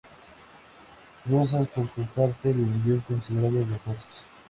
Rosas, por su parte, le envió considerables refuerzos.